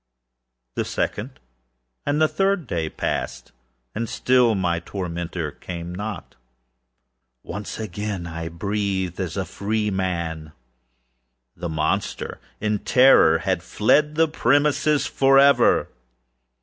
The second and the third day passed, and still my tormentor came not. Once again I breathed as a freeman. The monster, in terror, had fled the premises forever!